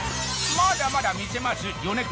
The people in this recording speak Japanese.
まだまだ見せます米倉